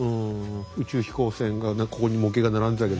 宇宙飛行船がここに模型が並んでたけど。